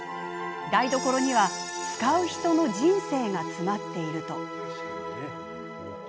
台所には使う人の人生がつまっていると。